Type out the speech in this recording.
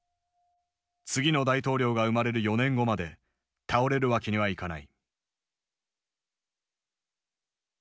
次の大統領が生まれる４年後まで倒れるわけにはいかない。